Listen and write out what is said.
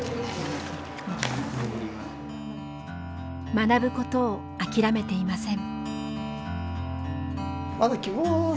学ぶことを諦めていません。